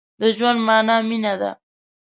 د ژوند مانا مينه ده.